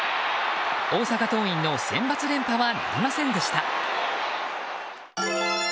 大阪桐蔭のセンバツ連覇はなりませんでした。